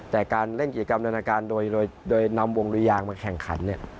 แต่การเล่นกิจกรรมนานาการโดยนำวงริยางมาแข่งขันเนี่ย